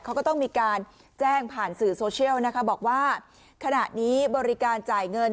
เขาก็ต้องมีการแจ้งผ่านสื่อโซเชียลนะคะบอกว่าขณะนี้บริการจ่ายเงิน